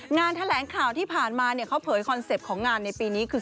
งานแถลงข่าวที่ผ่านมาเนี่ยเขาเผยคอนเซ็ปต์ของงานในปีนี้คือ